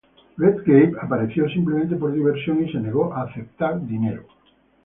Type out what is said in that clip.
Redgrave apareció simplemente por diversión y se negó a aceptar dinero.